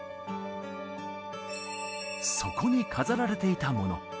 そこに飾られていたもの。